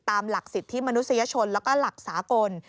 ตามหลักสิทธิมนุษยชนแล้วก็หลักสากล